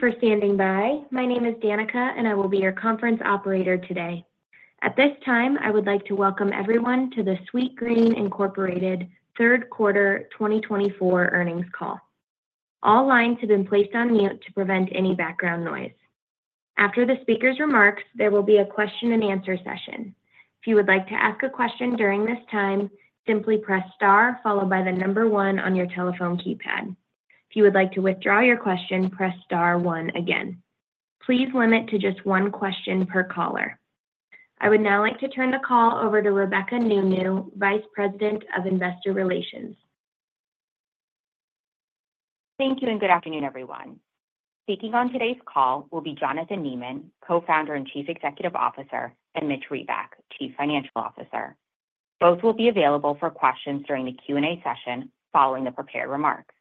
Thank you for standing by. My name is Danica, and I will be your conference operator today. At this time, I would like to welcome everyone to the Sweetgreen Incorporated third quarter 2024 earnings call. All lines have been placed on mute to prevent any background noise. After the speaker's remarks, there will be a question-and-answer session. If you would like to ask a question during this time, simply press star followed by the number one on your telephone keypad. If you would like to withdraw your question, press star one again. Please limit to just one question per caller. I would now like to turn the call over to Rebecca Nounou, Vice President of Investor Relations. Thank you and good afternoon, everyone. Speaking on today's call will be Jonathan Neman, Co-founder and Chief Executive Officer, and Mitch Reback, Chief Financial Officer. Both will be available for questions during the Q&A session following the prepared remarks.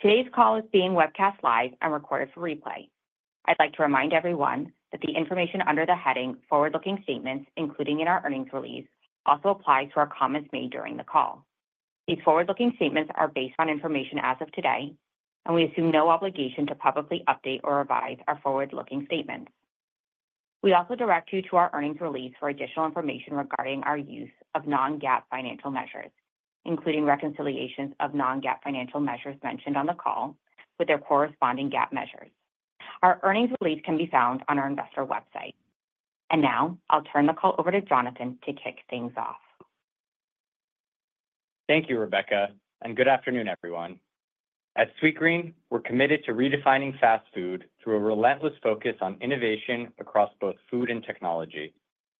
Today's call is being webcast live and recorded for replay. I'd like to remind everyone that the information under the heading "Forward-looking Statements," including in our earnings release, also applies to our comments made during the call. These forward-looking statements are based on information as of today, and we assume no obligation to publicly update or revise our forward-looking statements. We also direct you to our earnings release for additional information regarding our use of non-GAAP financial measures, including reconciliations of non-GAAP financial measures mentioned on the call with their corresponding GAAP measures. Our earnings release can be found on our investor website. Now I'll turn the call over to Jonathan to kick things off. Thank you, Rebecca, and good afternoon, everyone. At Sweetgreen, we're committed to redefining fast food through a relentless focus on innovation across both food and technology.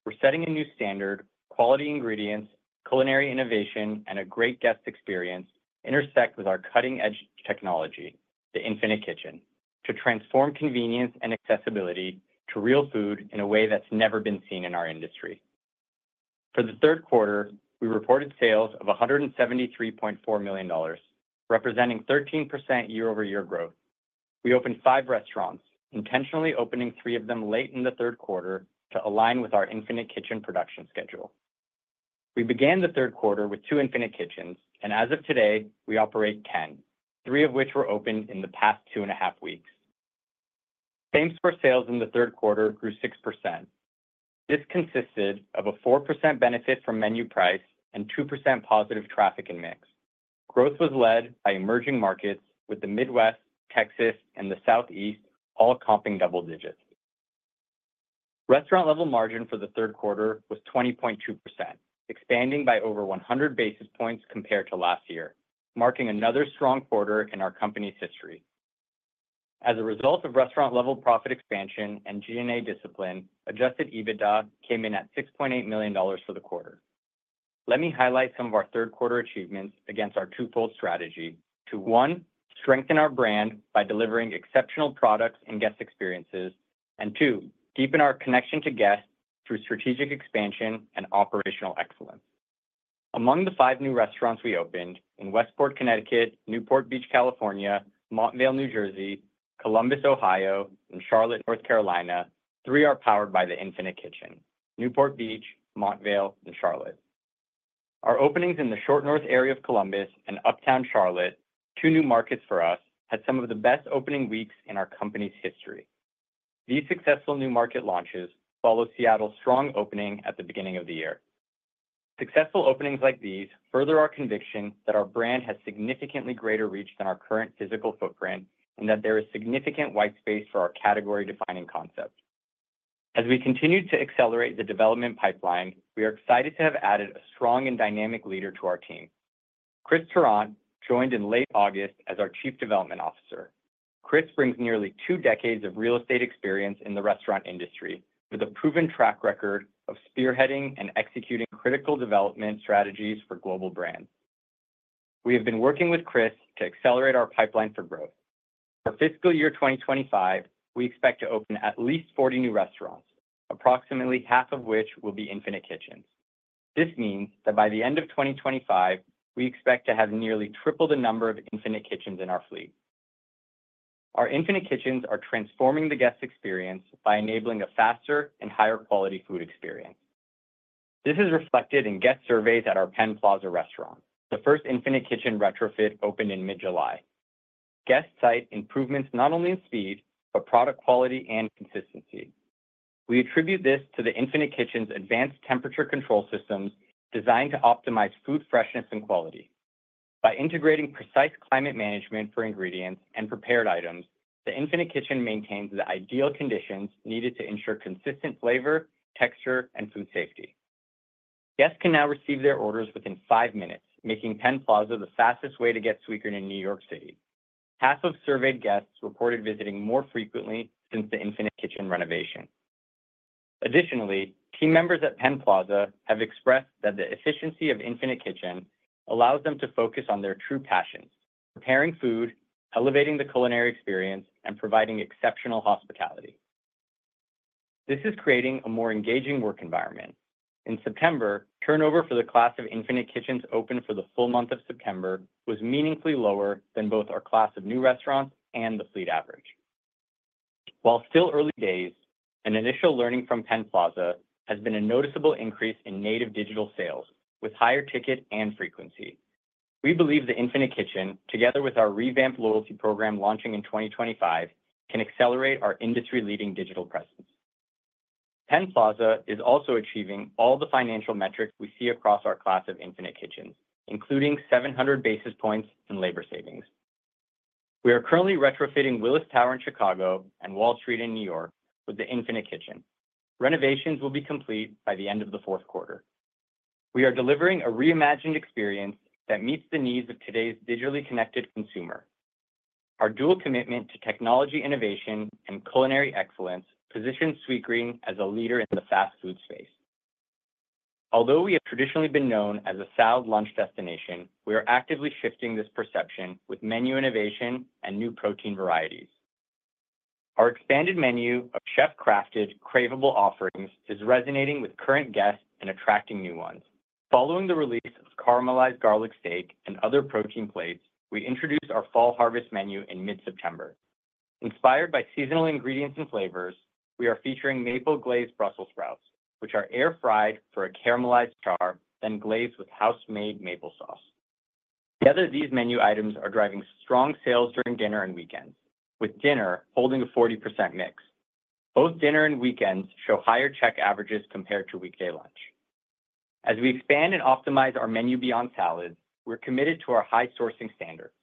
We're setting a new standard: quality ingredients, culinary innovation, and a great guest experience intersect with our cutting-edge technology, the Infinite Kitchen, to transform convenience and accessibility to real food in a way that's never been seen in our industry. For the third quarter, we reported sales of $173.4 million, representing 13% year-over-year growth. We opened five restaurants, intentionally opening three of them late in the third quarter to align with our Infinite Kitchen production schedule. We began the third quarter with two Infinite Kitchens, and as of today, we operate 10, three of which were opened in the past two and a half weeks. Same-store sales in the third quarter grew 6%. This consisted of a 4% benefit from menu price and 2% positive traffic and mix. Growth was led by emerging markets with the Midwest, Texas, and the Southeast all comping double digits. Restaurant-level margin for the third quarter was 20.2%, expanding by over 100 basis points compared to last year, marking another strong quarter in our company's history. As a result of restaurant-level profit expansion and G&A discipline, adjusted EBITDA came in at $6.8 million for the quarter. Let me highlight some of our third-quarter achievements against our twofold strategy: to one, strengthen our brand by delivering exceptional products and guest experiences, and two, deepen our connection to guests through strategic expansion and operational excellence. Among the five new restaurants we opened in Westport, Connecticut, Newport Beach, California, Montvale, New Jersey, Columbus, Ohio, and Charlotte, North Carolina, three are powered by the Infinite Kitchen: Newport Beach, Montvale, and Charlotte. Our openings in the Short North area of Columbus and Uptown Charlotte, two new markets for us, had some of the best opening weeks in our company's history. These successful new market launches follow Seattle's strong opening at the beginning of the year. Successful openings like these further our conviction that our brand has significantly greater reach than our current physical footprint and that there is significant white space for our category-defining concept. As we continue to accelerate the development pipeline, we are excited to have added a strong and dynamic leader to our team. Chris Tarrant joined in late August as our Chief Development Officer. Chris brings nearly two decades of real estate experience in the restaurant industry with a proven track record of spearheading and executing critical development strategies for global brands. We have been working with Chris to accelerate our pipeline for growth. For fiscal year 2025, we expect to open at least 40 new restaurants, approximately half of which will be Infinite Kitchens. This means that by the end of 2025, we expect to have nearly tripled the number of Infinite Kitchens in our fleet. Our Infinite Kitchens are transforming the guest experience by enabling a faster and higher-quality food experience. This is reflected in guest surveys at our Penn Plaza restaurant, the first Infinite Kitchen retrofit opened in mid-July. Guests cite improvements not only in speed but product quality and consistency. We attribute this to the Infinite Kitchen's advanced temperature control systems designed to optimize food freshness and quality. By integrating precise climate management for ingredients and prepared items, the Infinite Kitchen maintains the ideal conditions needed to ensure consistent flavor, texture, and food safety. Guests can now receive their orders within five minutes, making Penn Plaza the fastest way to get Sweetgreen in New York City. Half of surveyed guests reported visiting more frequently since the Infinite Kitchen renovation. Additionally, team members at Penn Plaza have expressed that the efficiency of Infinite Kitchen allows them to focus on their true passions: preparing food, elevating the culinary experience, and providing exceptional hospitality. This is creating a more engaging work environment. In September, turnover for the class of Infinite Kitchens open for the full month of September was meaningfully lower than both our class of new restaurants and the fleet average. While still early days, an initial learning from Penn Plaza has been a noticeable increase in native digital sales, with higher ticket and frequency. We believe the Infinite Kitchen, together with our revamped loyalty program launching in 2025, can accelerate our industry-leading digital presence. Penn Plaza is also achieving all the financial metrics we see across our class of Infinite Kitchens, including 700 basis points in labor savings. We are currently retrofitting Willis Tower in Chicago and Wall Street in New York with the Infinite Kitchen. Renovations will be complete by the end of the fourth quarter. We are delivering a reimagined experience that meets the needs of today's digitally connected consumer. Our dual commitment to technology innovation and culinary excellence positions Sweetgreen as a leader in the fast food space. Although we have traditionally been known as a salad lunch destination, we are actively shifting this perception with menu innovation and new protein varieties. Our expanded menu of chef-crafted, craveable offerings is resonating with current guests and attracting new ones. Following the release of Caramelized Garlic Steak and other protein plates, we introduced our Fall Harvest menu in mid-September. Inspired by seasonal ingredients and flavors, we are featuring Maple-Glazed Brussels Sprouts, which are air-fried for a caramelized char, then glazed with house-made maple sauce. Together, these menu items are driving strong sales during dinner and weekends, with dinner holding a 40% mix. Both dinner and weekends show higher check averages compared to weekday lunch. As we expand and optimize our menu beyond salads, we're committed to our high sourcing standards.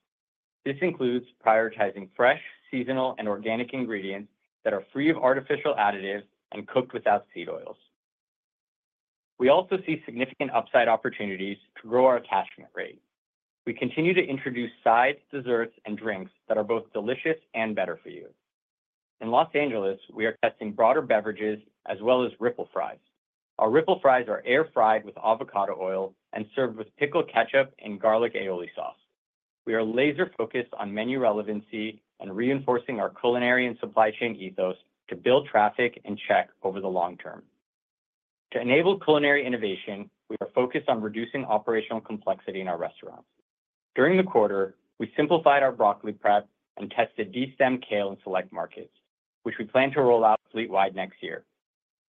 This includes prioritizing fresh, seasonal, and organic ingredients that are free of artificial additives and cooked without seed oils. We also see significant upside opportunities to grow our attachment rate. We continue to introduce sides, desserts, and drinks that are both delicious and better for you. In Los Angeles, we are testing broader beverages as well as Ripple Fries. Our Ripple Fries are air-fried with avocado oil and served with pickled ketchup and garlic aioli sauce. We are laser-focused on menu relevancy and reinforcing our culinary and supply chain ethos to build traffic and check over the long term. To enable culinary innovation, we are focused on reducing operational complexity in our restaurants. During the quarter, we simplified our broccoli prep and tested de-stemmed kale in select markets, which we plan to roll out fleet-wide next year.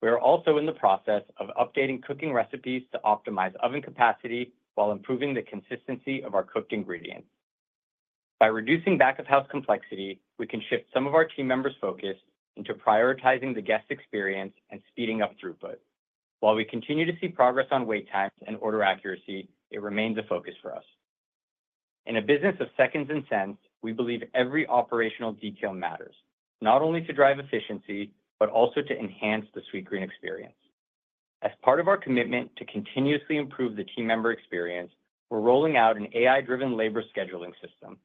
We are also in the process of updating cooking recipes to optimize oven capacity while improving the consistency of our cooked ingredients. By reducing back-of-house complexity, we can shift some of our team members' focus into prioritizing the guest experience and speeding up throughput. While we continue to see progress on wait times and order accuracy, it remains a focus for us. In a business of seconds and cents, we believe every operational detail matters, not only to drive efficiency but also to enhance the Sweetgreen experience. As part of our commitment to continuously improve the team member experience, we're rolling out an AI-driven labor scheduling system.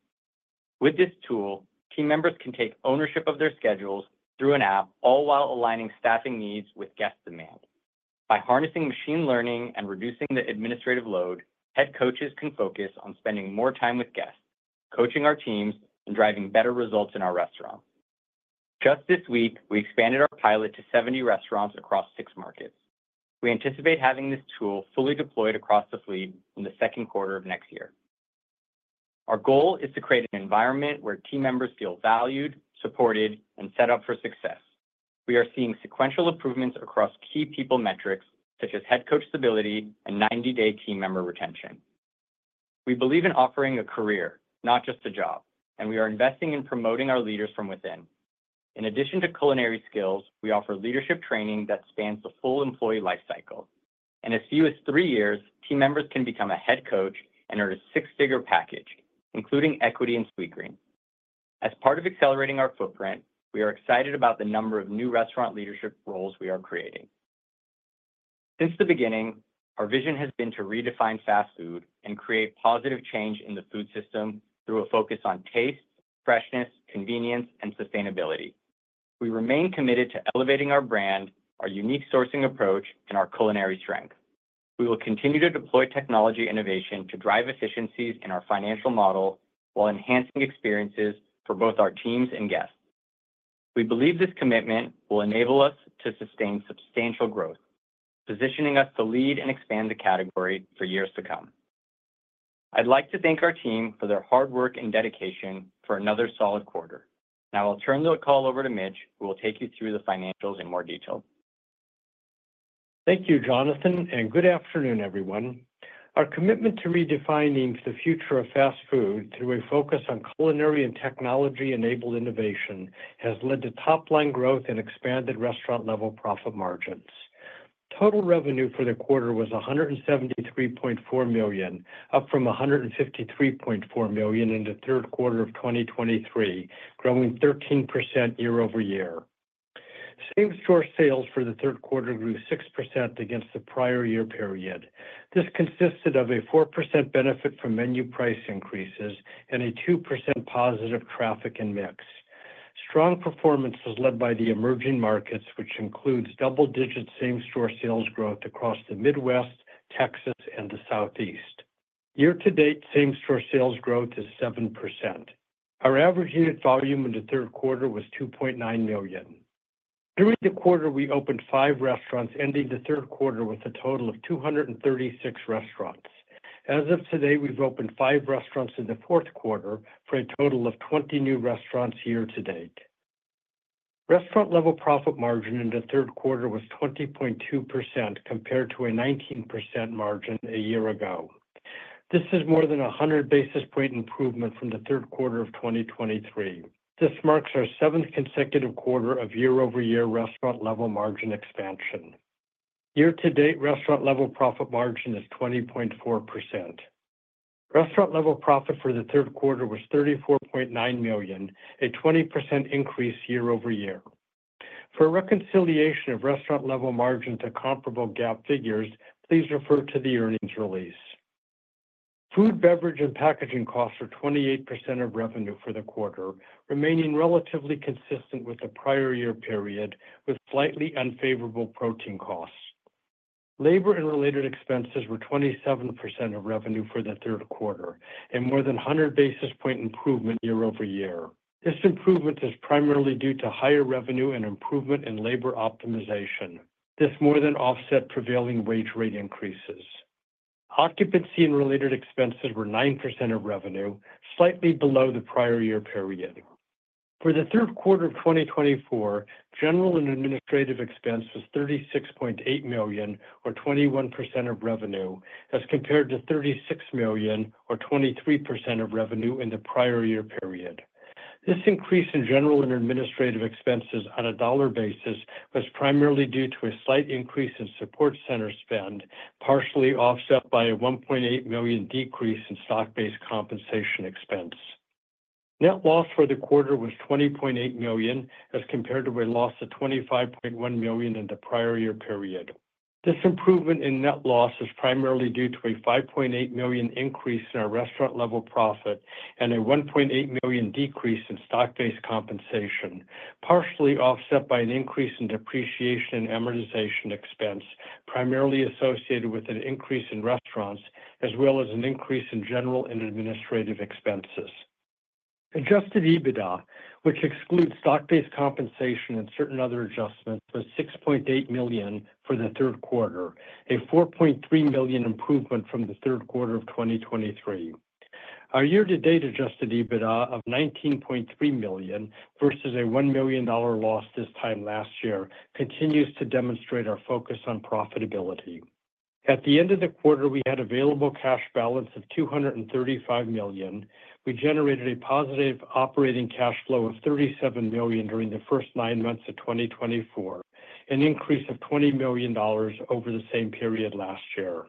With this tool, team members can take ownership of their schedules through an app, all while aligning staffing needs with guest demand. By harnessing machine learning and reducing the administrative load, Head Coaches can focus on spending more time with guests, coaching our teams, and driving better results in our restaurants. Just this week, we expanded our pilot to 70 restaurants across six markets. We anticipate having this tool fully deployed across the fleet in the second quarter of next year. Our goal is to create an environment where team members feel valued, supported, and set up for success. We are seeing sequential improvements across key people metrics such as Head Coach stability and 90-day team member retention. We believe in offering a career, not just a job, and we are investing in promoting our leaders from within. In addition to culinary skills, we offer leadership training that spans the full employee life cycle. In as few as three years, team members can become a Head Coach and earn a six-figure package, including equity in Sweetgreen. As part of accelerating our footprint, we are excited about the number of new restaurant leadership roles we are creating. Since the beginning, our vision has been to redefine fast food and create positive change in the food system through a focus on taste, freshness, convenience, and sustainability. We remain committed to elevating our brand, our unique sourcing approach, and our culinary strength. We will continue to deploy technology innovation to drive efficiencies in our financial model while enhancing experiences for both our teams and guests. We believe this commitment will enable us to sustain substantial growth, positioning us to lead and expand the category for years to come. I'd like to thank our team for their hard work and dedication for another solid quarter. Now I'll turn the call over to Mitch, who will take you through the financials in more detail. Thank you, Jonathan, and good afternoon, everyone. Our commitment to redefining the future of fast food through a focus on culinary and technology-enabled innovation has led to top-line growth and expanded restaurant-level profit margins. Total revenue for the quarter was $173.4 million, up from $153.4 million in the third quarter of 2023, growing 13% year-over-year. Same-store sales for the third quarter grew 6% against the prior year period. This consisted of a 4% benefit from menu price increases and a 2% positive traffic and mix. Strong performance was led by the emerging markets, which includes double-digit same-store sales growth across the Midwest, Texas, and the Southeast. Year-to-date, same-store sales growth is 7%. Our average unit volume in the third quarter was $2.9 million. During the quarter, we opened five restaurants, ending the third quarter with a total of 236 restaurants. As of today, we've opened five restaurants in the fourth quarter for a total of 20 new restaurants year-to-date. Restaurant-level profit margin in the third quarter was 20.2% compared to a 19% margin a year ago. This is more than a 100 basis point improvement from the third quarter of 2023. This marks our seventh consecutive quarter of year-over-year restaurant-level margin expansion. Year-to-date, restaurant-level profit margin is 20.4%. Restaurant-level profit for the third quarter was $34.9 million, a 20% increase year-over-year. For a reconciliation of restaurant-level margin to comparable GAAP figures, please refer to the earnings release. Food, beverage, and packaging costs are 28% of revenue for the quarter, remaining relatively consistent with the prior year period, with slightly unfavorable protein costs. Labor and related expenses were 27% of revenue for the third quarter, a more than 100 basis point improvement year-over-year. This improvement is primarily due to higher revenue and improvement in labor optimization. This more than offsets prevailing wage rate increases. Occupancy and related expenses were 9% of revenue, slightly below the prior year period. For the third quarter of 2024, general and administrative expense was $36.8 million, or 21% of revenue, as compared to $36 million, or 23% of revenue in the prior year period. This increase in general and administrative expenses on a dollar basis was primarily due to a slight increase in support center spend, partially offset by a $1.8 million decrease in stock-based compensation expense. Net loss for the quarter was $20.8 million, as compared to a loss of $25.1 million in the prior year period. This improvement in net loss is primarily due to a $5.8 million increase in our restaurant-level profit and a $1.8 million decrease in stock-based compensation, partially offset by an increase in depreciation and amortization expense primarily associated with an increase in restaurants, as well as an increase in general and administrative expenses. Adjusted EBITDA, which excludes stock-based compensation and certain other adjustments, was $6.8 million for the third quarter, a $4.3 million improvement from the third quarter of 2023. Our year-to-date adjusted EBITDA of $19.3 million versus a $1 million loss this time last year continues to demonstrate our focus on profitability. At the end of the quarter, we had available cash balance of $235 million. We generated a positive operating cash flow of $37 million during the first nine months of 2024, an increase of $20 million over the same period last year.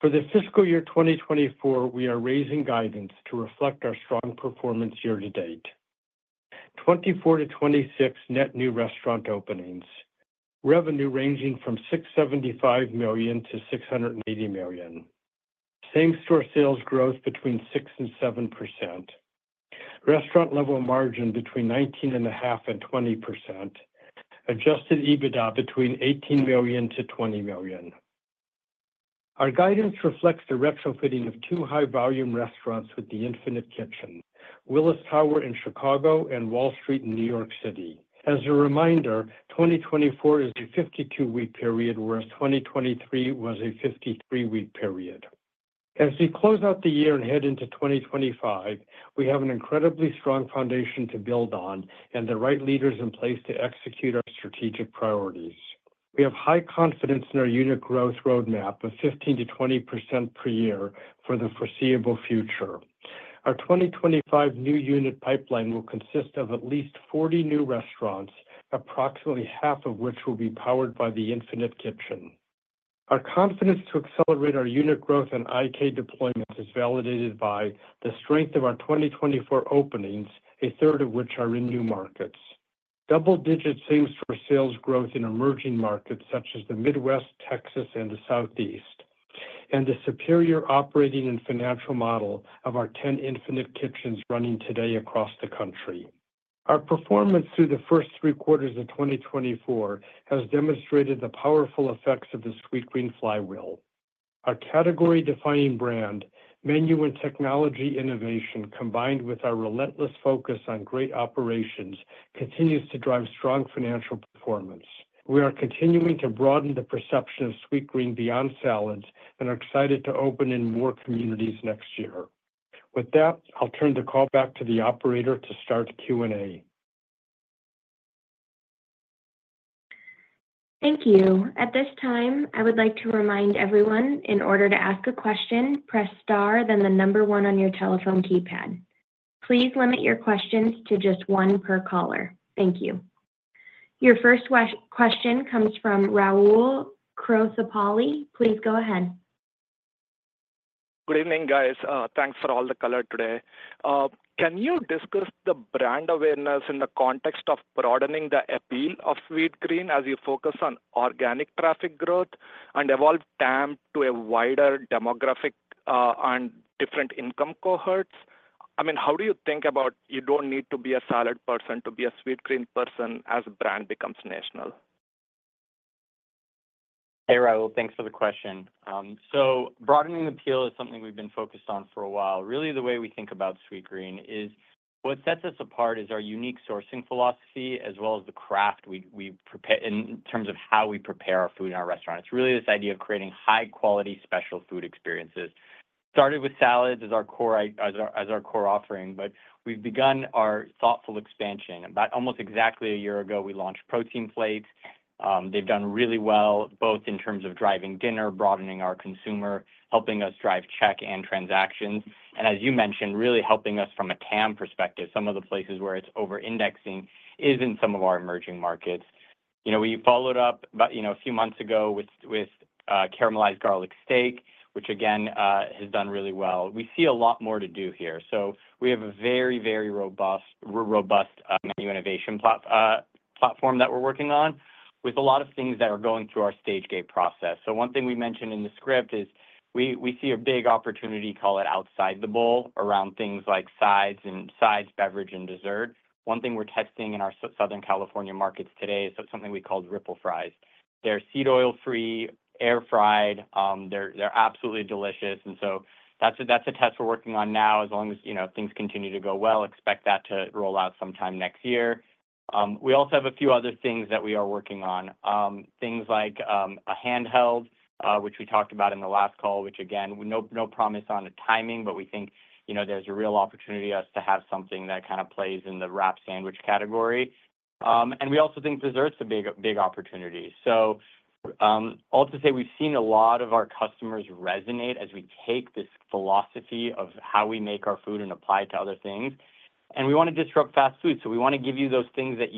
For the fiscal year 2024, we are raising guidance to reflect our strong performance year-to-date. 24-26 net new restaurant openings, revenue ranging from $675-$680 million. Same-Store Sales growth between 6% and 7%. Restaurant-level margin between 19.5% and 20%. Adjusted EBITDA between $18-$20 million. Our guidance reflects the retrofitting of two high-volume restaurants with the Infinite Kitchen, Willis Tower in Chicago and Wall Street in New York City. As a reminder, 2024 is a 52-week period, whereas 2023 was a 53-week period. As we close out the year and head into 2025, we have an incredibly strong foundation to build on and the right leaders in place to execute our strategic priorities. We have high confidence in our unit growth roadmap of 15%-20% per year for the foreseeable future. Our 2025 new unit pipeline will consist of at least 40 new restaurants, approximately half of which will be powered by the Infinite Kitchen. Our confidence to accelerate our unit growth and IK deployment is validated by the strength of our 2024 openings, a third of which are in new markets. Double-digit same-store sales growth in emerging markets such as the Midwest, Texas, and the Southeast, and the superior operating and financial model of our 10 Infinite Kitchens running today across the country. Our performance through the first three quarters of 2024 has demonstrated the powerful effects of the Sweetgreen Flywheel. Our category-defining brand, menu and technology innovation, combined with our relentless focus on great operations, continues to drive strong financial performance. We are continuing to broaden the perception of Sweetgreen beyond salads and are excited to open in more communities next year. With that, I'll turn the call back to the operator to start Q&A. Thank you. At this time, I would like to remind everyone, in order to ask a question, press star, then the number one on your telephone keypad. Please limit your questions to just one per caller. Thank you. Your first question comes from Rahul Krotthapalli. Please go ahead. Good evening, guys. Thanks for all the color today. Can you discuss the brand awareness in the context of broadening the appeal of Sweetgreen as you focus on organic traffic growth and evolve TAM to a wider demographic and different income cohorts? I mean, how do you think about you don't need to be a salad person to be a Sweetgreen person as brand becomes national? Hey, Rahul. Thanks for the question. So broadening appeal is something we've been focused on for a while. Really, the way we think about Sweetgreen is what sets us apart is our unique sourcing philosophy as well as the craft in terms of how we prepare our food in our restaurant. It's really this idea of creating high-quality special food experiences. Started with salads as our core offering, but we've begun our thoughtful expansion. About almost exactly a year ago, we launched protein plates. They've done really well, both in terms of driving dinner, broadening our consumer, helping us drive check and transactions, and, as you mentioned, really helping us from a TAM perspective. Some of the places where it's over-indexing is in some of our emerging markets. We followed up a few months ago with Caramelized Garlic Steak, which, again, has done really well. We see a lot more to do here. So we have a very, very robust menu innovation platform that we're working on with a lot of things that are going through our stage gate process. So one thing we mentioned in the script is we see a big opportunity, call it outside the bowl, around things like sides and sides, beverage, and dessert. One thing we're testing in our Southern California markets today is something we called Ripple Fries. They're seed oil-free, air-fried. They're absolutely delicious. And so that's a test we're working on now. As long as things continue to go well, expect that to roll out sometime next year. We also have a few other things that we are working on, things like a handheld, which we talked about in the last call, which, again, no promise on timing, but we think there's a real opportunity to us to have something that kind of plays in the wrap sandwich category, and we also think desserts are a big opportunity, so all to say, we've seen a lot of our customers resonate as we take this philosophy of how we make our food and apply it to other things, and we want to disrupt fast food, so we want to give you those things that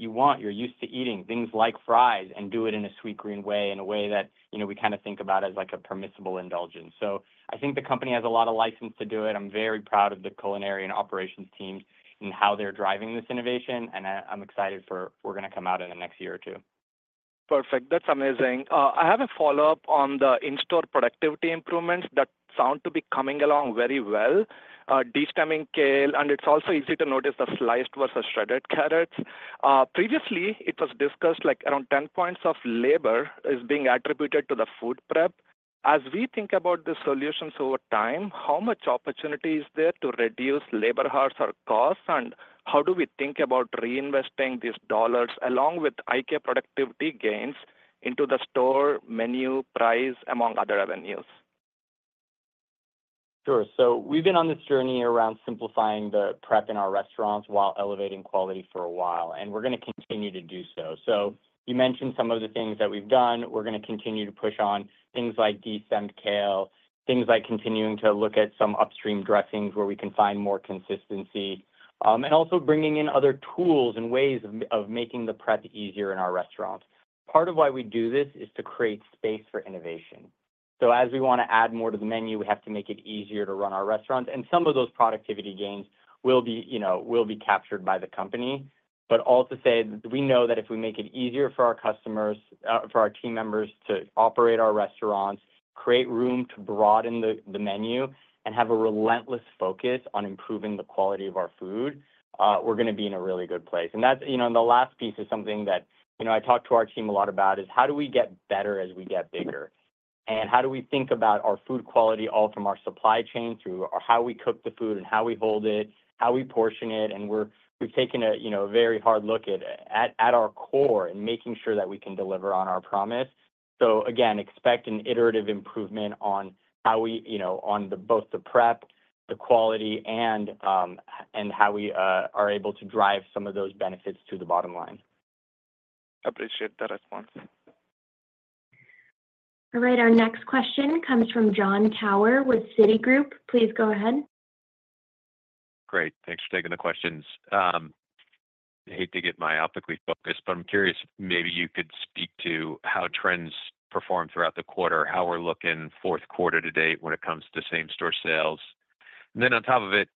you want, you're used to eating, things like fries, and do it in a Sweetgreen way, in a way that we kind of think about as a permissible indulgence, so I think the company has a lot of license to do it. I'm very proud of the culinary and operations teams and how they're driving this innovation. And I'm excited for we're going to come out in the next year or two. Perfect. That's amazing. I have a follow-up on the in-store productivity improvements that sound to be coming along very well, de-stemming kale, and it's also easy to notice the sliced versus shredded carrots. Previously, it was discussed like around 10 points of labor is being attributed to the food prep. As we think about the solutions over time, how much opportunity is there to reduce labor hours or costs, and how do we think about reinvesting these dollars along with IK productivity gains into the store, menu, price, among other avenues? Sure. So we've been on this journey around simplifying the prep in our restaurants while elevating quality for a while, and we're going to continue to do so. So you mentioned some of the things that we've done. We're going to continue to push on things like de-stemmed kale, things like continuing to look at some upstream dressings where we can find more consistency, and also bringing in other tools and ways of making the prep easier in our restaurants. Part of why we do this is to create space for innovation. So as we want to add more to the menu, we have to make it easier to run our restaurants. And some of those productivity gains will be captured by the company. But all to say, we know that if we make it easier for our customers, for our team members to operate our restaurants, create room to broaden the menu, and have a relentless focus on improving the quality of our food, we're going to be in a really good place. And the last piece is something that I talk to our team a lot about is how do we get better as we get bigger? And how do we think about our food quality, all from our supply chain through how we cook the food and how we hold it, how we portion it? And we've taken a very hard look at our core and making sure that we can deliver on our promise. So again, expect an iterative improvement on both the prep, the quality, and how we are able to drive some of those benefits to the bottom line. Appreciate the response. All right. Our next question comes from Jon Tower with Citigroup. Please go ahead. Great. Thanks for taking the questions. I hate to get myopically focused, but I'm curious. Maybe you could speak to how trends performed throughout the quarter, how we're looking fourth quarter to date when it comes to same-store sales. And then on top of it,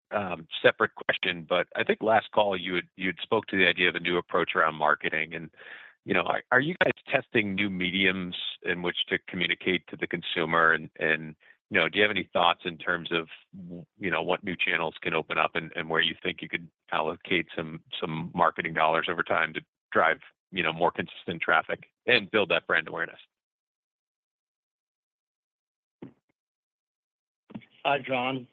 separate question, but I think last call, you had spoke to the idea of a new approach around marketing. And are you guys testing new mediums in which to communicate to the consumer? And do you have any thoughts in terms of what new channels can open up and where you think you could allocate some marketing dollars over time to drive more consistent traffic and build that brand awareness? Hi, John.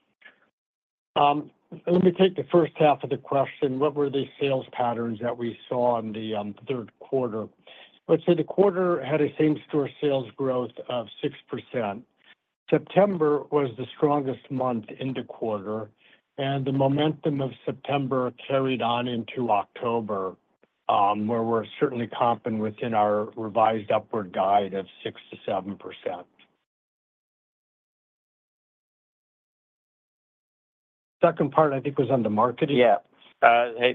Let me take the first half of the question. What were the sales patterns that we saw in the third quarter? Let's say the quarter had a same-store sales growth of 6%. September was the strongest month in the quarter, and the momentum of September carried on into October, where we're certainly comping within our revised upward guide of 6%-7%. Second part, I think, was on the marketing. Yeah.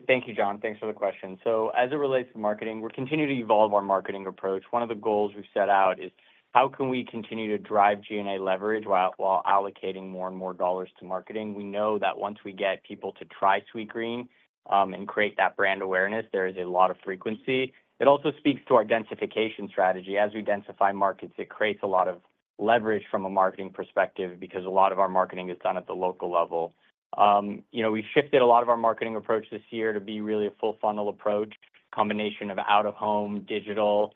Thank you, John. Thanks for the question. So as it relates to marketing, we're continuing to evolve our marketing approach. One of the goals we've set out is how can we continue to drive G&A leverage while allocating more and more dollars to marketing? We know that once we get people to try Sweetgreen and create that brand awareness, there is a lot of frequency. It also speaks to our densification strategy. As we densify markets, it creates a lot of leverage from a marketing perspective because a lot of our marketing is done at the local level. We shifted a lot of our marketing approach this year to be really a full-funnel approach. Combination of out-of-home, digital,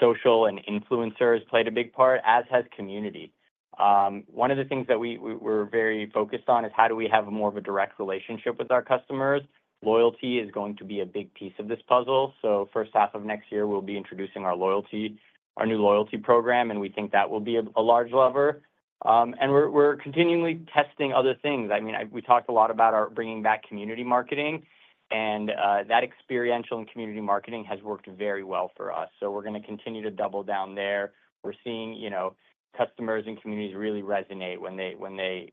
social, and influencers played a big part, as has community. One of the things that we're very focused on is how do we have more of a direct relationship with our customers? Loyalty is going to be a big piece of this puzzle. So first half of next year, we'll be introducing our new loyalty program, and we think that will be a large lever. And we're continually testing other things. I mean, we talked a lot about bringing back community marketing, and that experiential and community marketing has worked very well for us. So we're going to continue to double down there. We're seeing customers and communities really resonate when they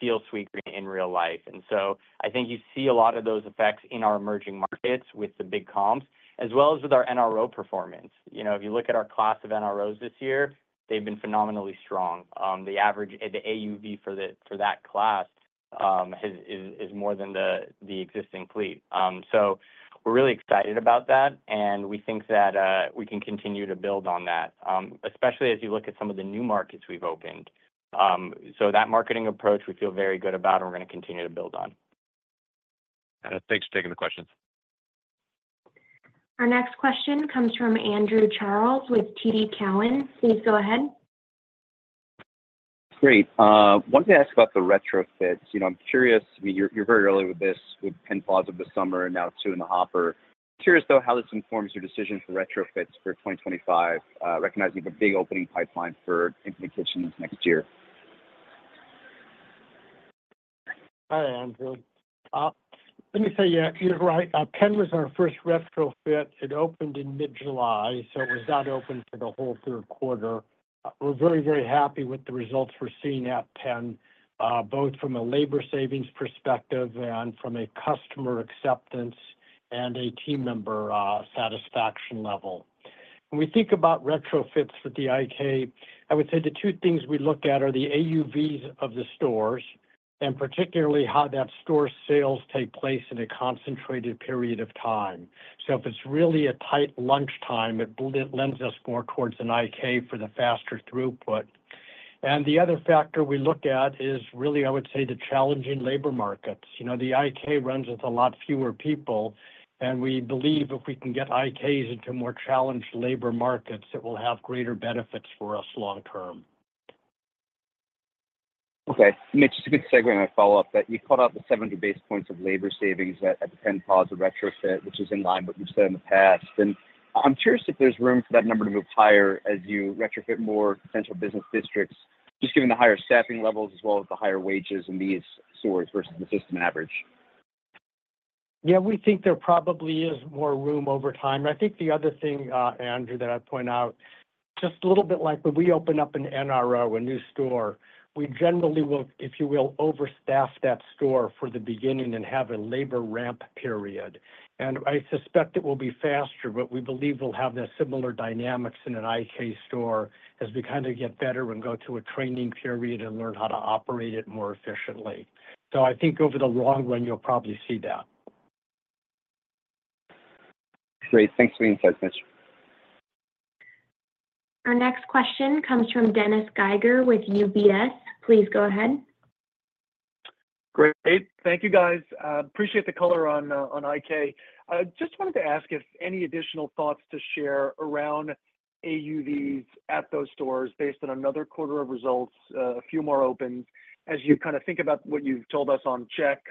feel Sweetgreen in real life. And so I think you see a lot of those effects in our emerging markets with the big comps, as well as with our NRO performance. If you look at our class of NROs this year, they've been phenomenally strong. The AUV for that class is more than the existing fleet. So we're really excited about that, and we think that we can continue to build on that, especially as you look at some of the new markets we've opened. So that marketing approach, we feel very good about, and we're going to continue to build on. Thanks for taking the questions. Our next question comes from Andrew Charles with TD Cowen. Please go ahead. Great. I wanted to ask about the retrofits. I'm curious. I mean, you're very early with this, with Penn Plaza's of the summer and now two in the hopper. Curious, though, how this informs your decision for retrofits for 2025, recognizing the big opening pipeline for Infinite Kitchens next year. Hi, Andrew. Let me say you're right. Penn was our first retrofit. It opened in mid-July, so it was not open for the whole third quarter. We're very, very happy with the results we're seeing at Penn, both from a labor savings perspective and from a customer acceptance and a team member satisfaction level. When we think about retrofits with the IK, I would say the two things we look at are the AUVs of the stores and particularly how that store sales take place in a concentrated period of time. So if it's really a tight lunchtime, it lends us more towards an IK for the faster throughput, and the other factor we look at is really, I would say, the challenging labor markets. The IK runs with a lot fewer people, and we believe if we can get IKs into more challenged labor markets, it will have greater benefits for us long-term. Okay. Mitch, just a quick segue on my follow-up that you called out the 700 basis points of labor savings at the Penn Plaza retrofit, which is in line with what you've said in the past. And I'm curious if there's room for that number to move higher as you retrofit more potential business districts, just given the higher staffing levels as well as the higher wages in these stores versus the system average? Yeah, we think there probably is more room over time. And I think the other thing, Andrew, that I'd point out, just a little bit like when we open up an NRO, a new store, we generally will, if you will, overstaff that store for the beginning and have a labor ramp period. And I suspect it will be faster, but we believe we'll have the similar dynamics in an IK store as we kind of get better and go to a training period and learn how to operate it more efficiently. So I think over the long run, you'll probably see that. Great. Thanks for the insights, Mitch. Our next question comes from Dennis Geiger with UBS. Please go ahead. Great. Thank you, guys. Appreciate the color on IK. Just wanted to ask if any additional thoughts to share around AUVs at those stores based on another quarter of results, a few more opens, as you kind of think about what you've told us on check,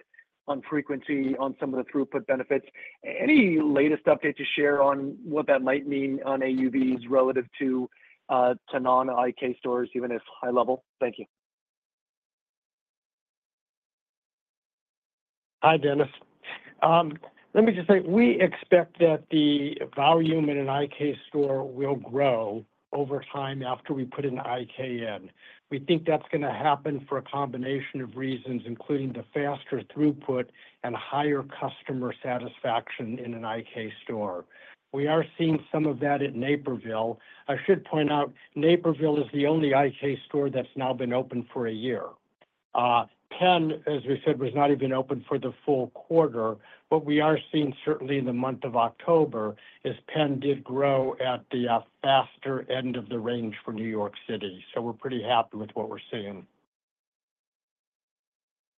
on frequency, on some of the throughput benefits. Any latest update to share on what that might mean on AUVs relative to non-IK stores, even if high level? Thank you. Hi, Dennis. Let me just say, we expect that the volume in an IK store will grow over time after we put an IK in. We think that's going to happen for a combination of reasons, including the faster throughput and higher customer satisfaction in an IK store. We are seeing some of that at Naperville. I should point out, Naperville is the only IK store that's now been open for a year. Penn, as we said, was not even open for the full quarter, but we are seeing certainly in the month of October as Penn did grow at the faster end of the range for New York City. So we're pretty happy with what we're seeing.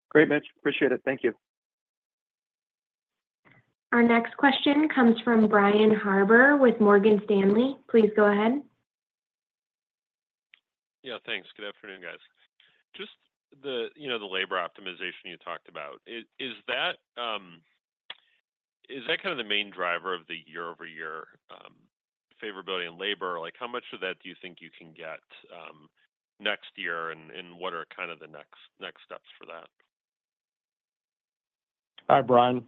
Great, Mitch. Appreciate it. Thank you. Our next question comes from Brian Harbor with Morgan Stanley. Please go ahead. Yeah, thanks. Good afternoon, guys. Just the labor optimization you talked about, is that kind of the main driver of the year-over-year favorability in labor? How much of that do you think you can get next year, and what are kind of the next steps for that? Hi, Brian.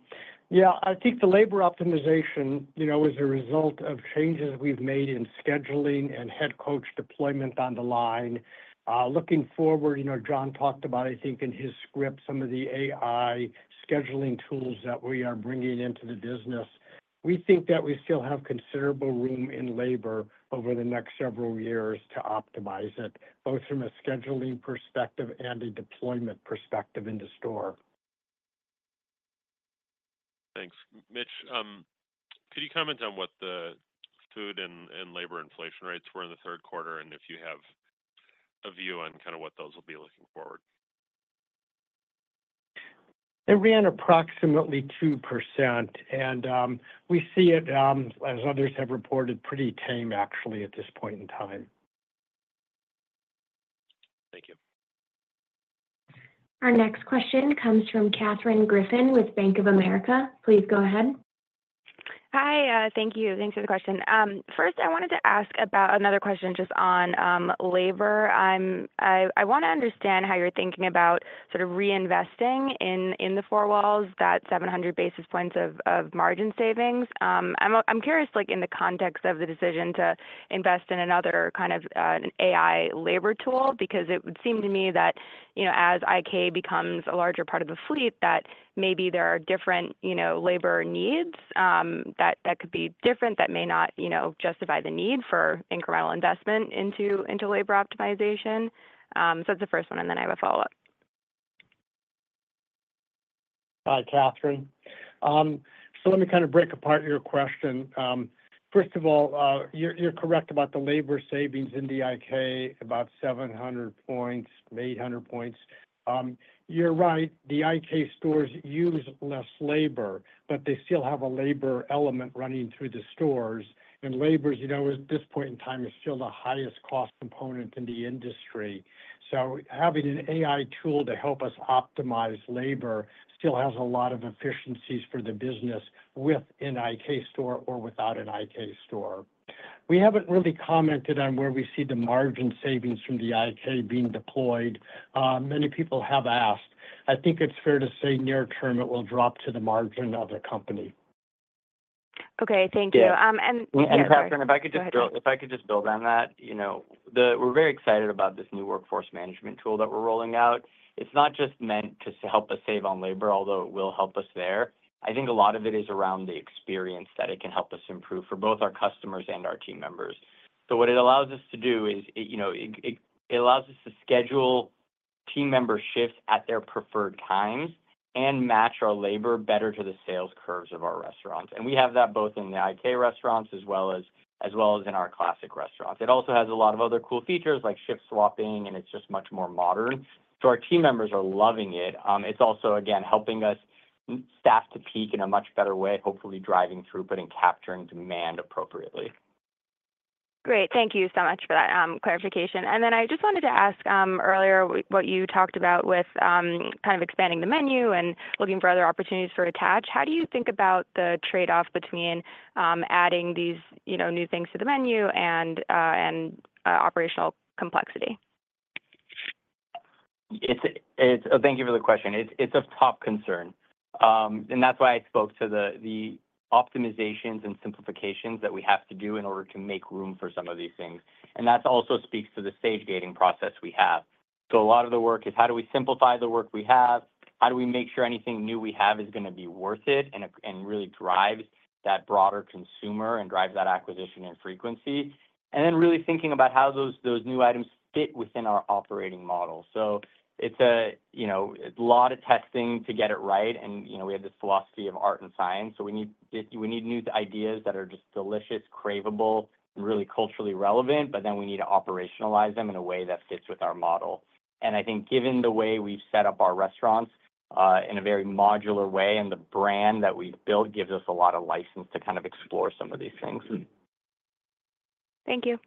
Yeah, I think the labor optimization was a result of changes we've made in scheduling and Head Coach deployment on the line. Looking forward, John talked about, I think, in his script, some of the AI scheduling tools that we are bringing into the business. We think that we still have considerable room in labor over the next several years to optimize it, both from a scheduling perspective and a deployment perspective in the store. Thanks. Mitch, could you comment on what the food and labor inflation rates were in the third quarter and if you have a view on kind of what those will be looking forward? It ran approximately 2%, and we see it, as others have reported, pretty tame, actually, at this point in time. Thank you. Our next question comes from Katherine Griffin with Bank of America. Please go ahead. Hi. Thank you. Thanks for the question. First, I wanted to ask about another question just on labor. I want to understand how you're thinking about sort of reinvesting in the four walls, that 700 basis points of margin savings. I'm curious in the context of the decision to invest in another kind of AI labor tool because it would seem to me that as IK becomes a larger part of the fleet, that maybe there are different labor needs that could be different that may not justify the need for incremental investment into labor optimization. So that's the first one, and then I have a follow-up. Hi, Katherine. So let me kind of break apart your question. First of all, you're correct about the labor savings in the IK, about 700 points, 800 points. You're right. The IK stores use less labor, but they still have a labor element running through the stores. And labor at this point in time is still the highest cost component in the industry. So having an AI tool to help us optimize labor still has a lot of efficiencies for the business with an IK store or without an IK store. We haven't really commented on where we see the margin savings from the IK being deployed. Many people have asked. I think it's fair to say near-term it will drop to the margin of the company. Okay. Thank you. Katherine, if I could just build on that, we're very excited about this new workforce management tool that we're rolling out. It's not just meant to help us save on labor, although it will help us there. I think a lot of it is around the experience that it can help us improve for both our customers and our team members. What it allows us to do is it allows us to schedule team member shifts at their preferred times and match our labor better to the sales curves of our restaurants. And we have that both in the IK restaurants as well as in our classic restaurants. It also has a lot of other cool features like shift swapping, and it's just much more modern. Our team members are loving it. It's also, again, helping us staff to peak in a much better way, hopefully driving throughput and capturing demand appropriately. Great. Thank you so much for that clarification. And then I just wanted to ask earlier what you talked about with kind of expanding the menu and looking for other opportunities for attach. How do you think about the trade-off between adding these new things to the menu and operational complexity? Thank you for the question. It's a top concern. And that's why I spoke to the optimizations and simplifications that we have to do in order to make room for some of these things. And that also speaks to the stage-gating process we have. So a lot of the work is how do we simplify the work we have? How do we make sure anything new we have is going to be worth it and really drives that broader consumer and drives that acquisition and frequency? And then really thinking about how those new items fit within our operating model. So it's a lot of testing to get it right. And we have this philosophy of art and science. So we need new ideas that are just delicious, craveable, and really culturally relevant, but then we need to operationalize them in a way that fits with our model. I think given the way we've set up our restaurants in a very modular way and the brand that we've built gives us a lot of license to kind of explore some of these things. Thank you.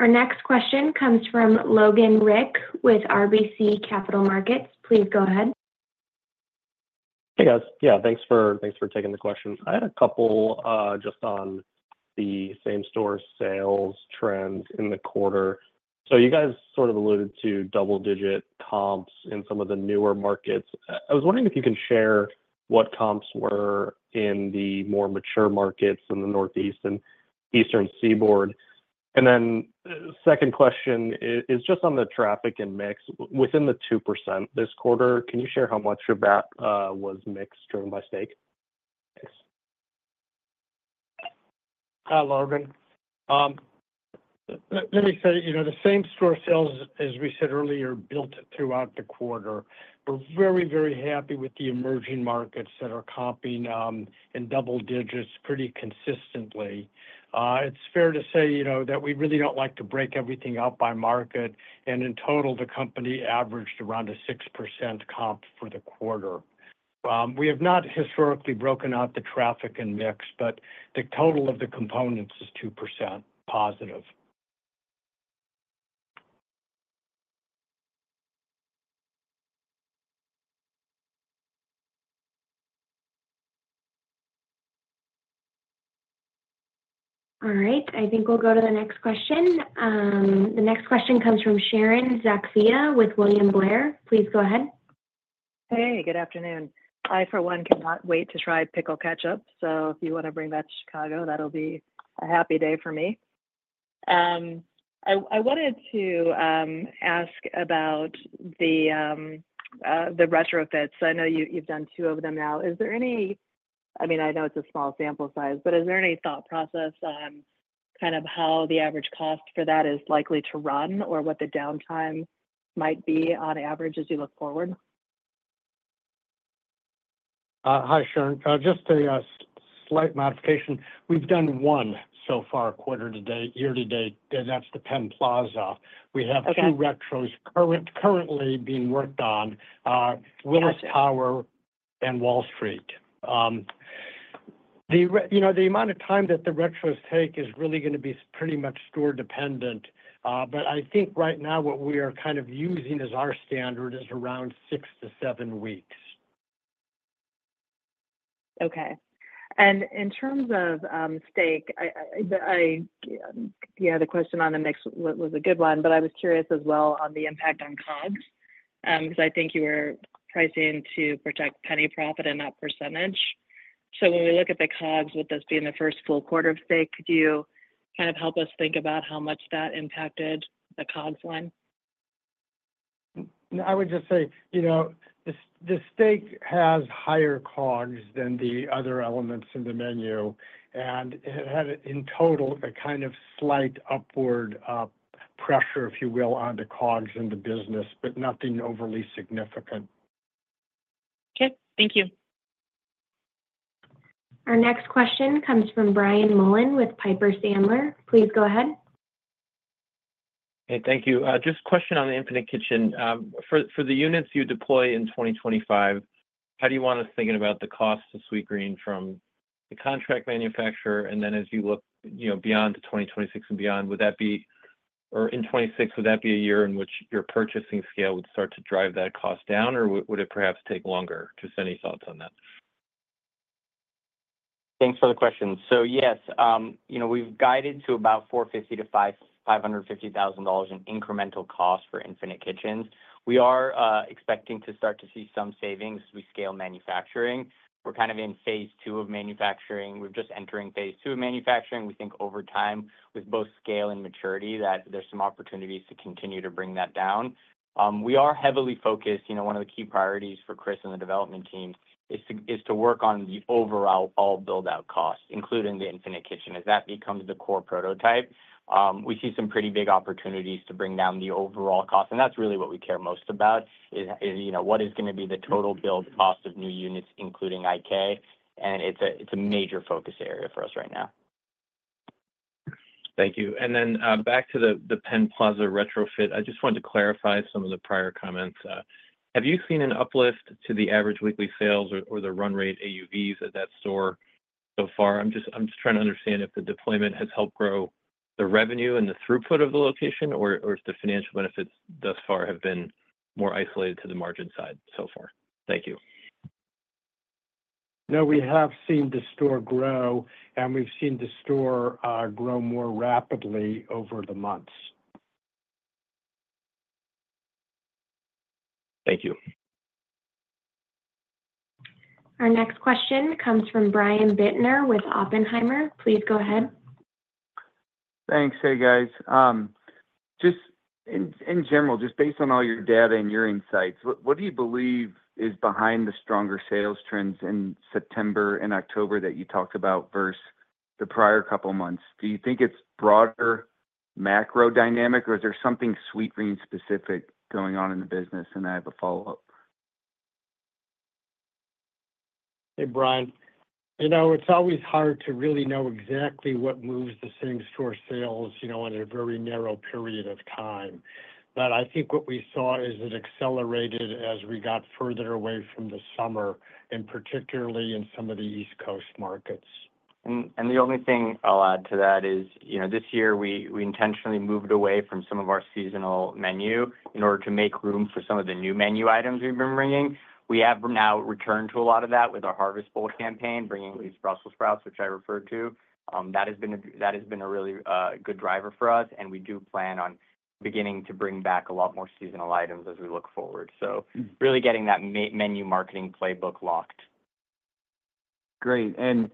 Our next question comes from Logan Reich with RBC Capital Markets. Please go ahead. Hey, guys. Yeah, thanks for taking the question. I had a couple just on the same store sales trends in the quarter. So you guys sort of alluded to double-digit comps in some of the newer markets. I was wondering if you can share what comps were in the more mature markets in the Northeast and Eastern Seaboard? And then second question is just on the traffic and mix. Within the 2% this quarter, can you share how much of that was mix driven by steak? Hi, Logan. Let me say the same store sales, as we said earlier, built throughout the quarter. We're very, very happy with the emerging markets that are comping in double digits pretty consistently. It's fair to say that we really don't like to break everything out by market. And in total, the company averaged around a 6% comp for the quarter. We have not historically broken out the traffic and mix, but the total of the components is 2% positive. All right. I think we'll go to the next question. The next question comes from Sharon Zackfia with William Blair. Please go ahead. Hey, good afternoon. I, for one, cannot wait to try pickled ketchup. So if you want to bring that to Chicago, that'll be a happy day for me. I wanted to ask about the retrofits. I know you've done two of them now. Is there any, I mean, I know it's a small sample size, but is there any thought process on kind of how the average cost for that is likely to run or what the downtime might be on average as you look forward? Hi, Sharon. Just a slight modification. We've done one so far, quarter-to-date, year-to-date. That's the Penn Plaza. We have two retros currently being worked on: Willis Tower and Wall Street. The amount of time that the retros take is really going to be pretty much store-dependent. But I think right now what we are kind of using as our standard is around six to seven weeks. Okay. And in terms of steak, yeah, the question on the mix was a good one, but I was curious as well on the impact on COGS because I think you were pricing to protect penny profit and that percentage. So when we look at the COGS, with this being the first full quarter of steak, could you kind of help us think about how much that impacted the COGS line? I would just say the steak has higher COGS than the other elements in the menu, and it had, in total, a kind of slight upward pressure, if you will, on the COGS in the business, but nothing overly significant. Okay. Thank you. Our next question comes from Brian Mullan with Piper Sandler. Please go ahead. Hey, thank you. Just a question on the Infinite Kitchen. For the units you deploy in 2025, how do you want us thinking about the cost to Sweetgreen from the contract manufacturer? And then as you look beyond 2026 and beyond, would that be, or in 2026, would that be a year in which your purchasing scale would start to drive that cost down, or would it perhaps take longer? Just any thoughts on that? Thanks for the question. So yes, we've guided to about $450,000-$550,000 in incremental cost for Infinite Kitchens. We are expecting to start to see some savings as we scale manufacturing. We're kind of in phase two of manufacturing. We're just entering phase two of manufacturing. We think over time, with both scale and maturity, that there's some opportunities to continue to bring that down. We are heavily focused, one of the key priorities for Chris and the development team is to work on the overall build-out cost, including the Infinite Kitchen, as that becomes the core prototype. We see some pretty big opportunities to bring down the overall cost. And that's really what we care most about: what is going to be the total build cost of new units, including IK? And it's a major focus area for us right now. Thank you, and then back to the Penn Plaza retrofit. I just wanted to clarify some of the prior comments. Have you seen an uplift to the average weekly sales or the run rate AUVs at that store so far? I'm just trying to understand if the deployment has helped grow the revenue and the throughput of the location, or if the financial benefits thus far have been more isolated to the margin side so far. Thank you. No, we have seen the store grow, and we've seen the store grow more rapidly over the months. Thank you. Our next question comes from Brian Bittner with Oppenheimer. Please go ahead. Thanks. Hey, guys. Just in general, just based on all your data and your insights, what do you believe is behind the stronger sales trends in September and October that you talked about versus the prior couple of months? Do you think it's broader macro dynamic, or is there something Sweetgreen-specific going on in the business? And I have a follow-up. Hey, Brian. It's always hard to really know exactly what moves the same store sales in a very narrow period of time. But I think what we saw is it accelerated as we got further away from the summer, and particularly in some of the East Coast markets. And the only thing I'll add to that is this year, we intentionally moved away from some of our seasonal menu in order to make room for some of the new menu items we've been bringing. We have now returned to a lot of that with our Harvest Bowl campaign, bringing at least Brussels sprouts, which I referred to. That has been a really good driver for us. And we do plan on beginning to bring back a lot more seasonal items as we look forward. So really getting that menu marketing playbook locked. Great. And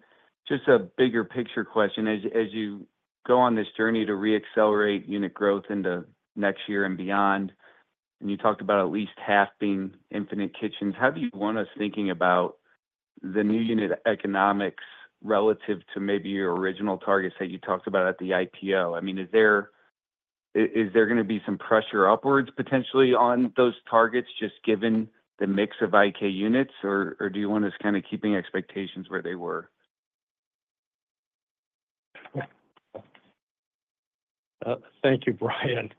just a bigger picture question. As you go on this journey to re-accelerate unit growth into next year and beyond, and you talked about at least half being Infinite Kitchens, how do you want us thinking about the new unit economics relative to maybe your original targets that you talked about at the IPO? I mean, is there going to be some pressure upwards potentially on those targets just given the mix of IK units, or do you want us kind of keeping expectations where they were? Thank you, Brian.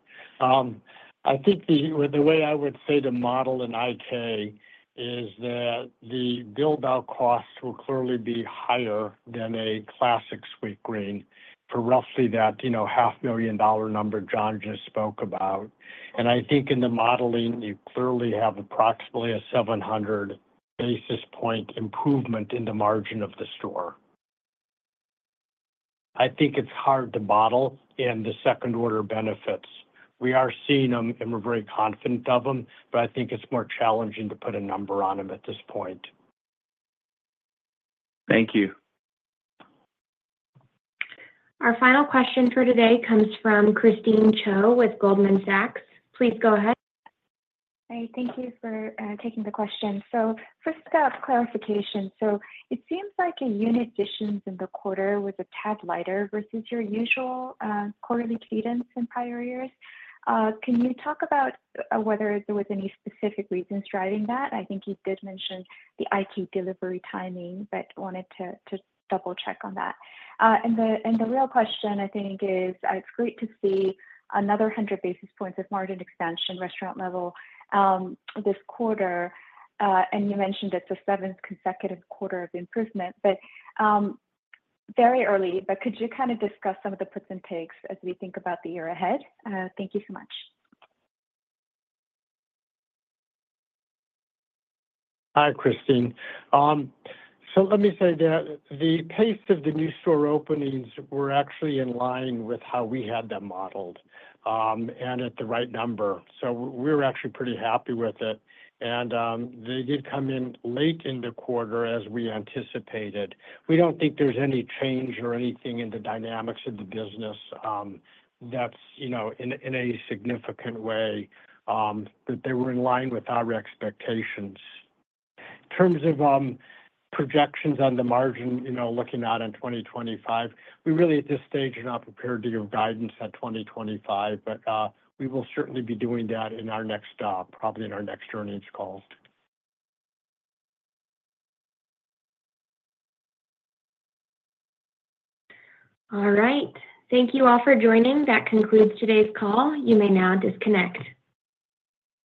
I think the way I would say the model in IK is that the build-out costs will clearly be higher than a classic Sweetgreen for roughly that $500,000 number John just spoke about, and I think in the modeling, you clearly have approximately a 700 basis point improvement in the margin of the store. I think it's hard to model in the second order benefits. We are seeing them, and we're very confident of them, but I think it's more challenging to put a number on them at this point. Thank you. Our final question for today comes from Christine Cho with Goldman Sachs. Please go ahead. Hi. Thank you for taking the question. So first, clarification. So it seems like a unit additions in the quarter was a tad lighter versus your usual quarterly cadence in prior years. Can you talk about whether there was any specific reasons driving that? I think you did mention the IK delivery timing, but wanted to double-check on that. And the real question, I think, is it's great to see another 100 basis points of margin expansion restaurant level this quarter. And you mentioned it's the seventh consecutive quarter of improvement, but very early. But could you kind of discuss some of the puts and takes as we think about the year ahead? Thank you so much. Hi, Christine. So let me say that the pace of the new store openings were actually in line with how we had them modeled and at the right number. So we were actually pretty happy with it. And they did come in late in the quarter as we anticipated. We don't think there's any change or anything in the dynamics of the business that's in a significant way that they were in line with our expectations. In terms of projections on the margin, looking out in 2025, we really, at this stage, are not prepared to give guidance at 2025, but we will certainly be doing that in our next quarter, probably in our next earnings call. All right. Thank you all for joining. That concludes today's call. You may now disconnect.